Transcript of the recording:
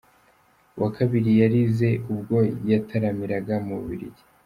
Uwa kabiri yarize ubwo yataramiraga mu Bubiligi.